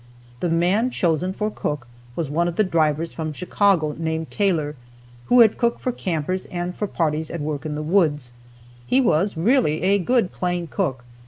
The man chosen for cook was one of the drivers from Chicago named Taylor, who had cooked for campers and for parties at work in the woods. He was really a good plain cook.